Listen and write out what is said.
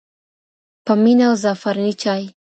په مینه او زعفراني چای.